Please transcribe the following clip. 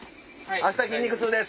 明日筋肉痛です。